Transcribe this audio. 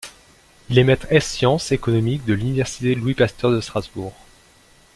Il est maître ès sciences économiques de l'université Louis-Pasteur de Strasbourg.